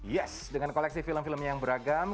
yes dengan koleksi film filmnya yang beragam